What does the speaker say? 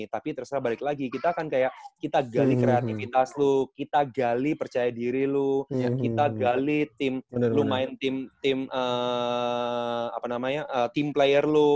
tapi terserah balik lagi kita kan kayak kita gali kreativitas lu kita gali percaya diri lu kita gali tim lu main tim apa namanya tim player lu